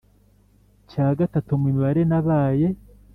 Cya Gatatu Mu Mibare Nabaye